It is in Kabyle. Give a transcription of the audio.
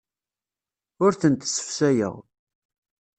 Ur tent-ssefsayeɣ.